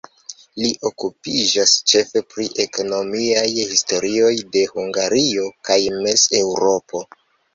Li okupiĝas ĉefe pri ekonomiaj historioj de Hungario kaj Mez-Eŭropo.